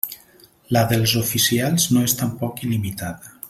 La dels oficials no és tampoc il·limitada.